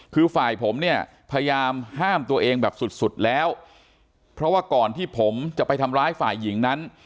คือฝ่ายผมเนี่ยพยายามห้ามตัวเองแบบสุดสุดแล้วเพราะว่าก่อนที่ผมจะไปทำร้ายฝ่ายหญิงนั้น